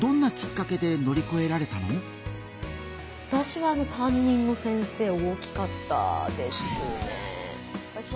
私は担任の先生大きかったですね。